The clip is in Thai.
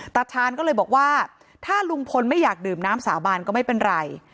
ตาชาญก็เลยบอกว่าถ้าลุงพลไม่อยากดื่มน้ำสาบานก็ไม่เป็นไร